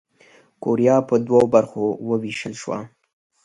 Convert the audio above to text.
کوریا پر دوو برخو ووېشل شوه.